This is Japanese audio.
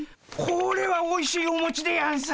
これはおいしいおもちでやんす。